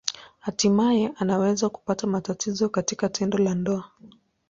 Hatimaye anaweza kupata matatizo katika tendo la ndoa.